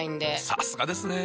さすがですね。